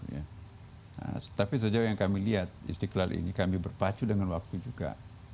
nah tapi sejauh yang kami lihat istiqlal ini kami berpacu dengan waktu juga